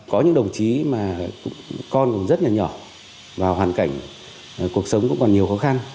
có những đồng chí mà con cũng rất là nhỏ và hoàn cảnh cuộc sống cũng còn nhiều khó khăn